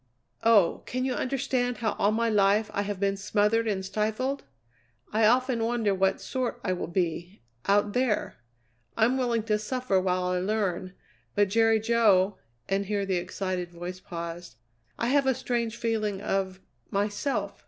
Oh! can you understand how all my life I have been smothered and stifled? I often wonder what sort I will be out there! I'm willing to suffer while I learn, but Jerry Jo" and here the excited voice paused "I have a strange feeling of myself!